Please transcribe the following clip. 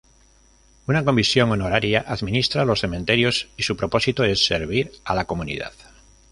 Una Comisión Honoraria Administra los Cementerios y su propósito es servir a la comunidad.